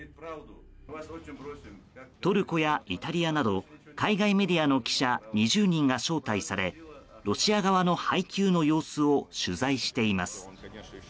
トルコやイタリアなど海外メディアの記者２０人が招待されロシア側の配給の様子を取材しています。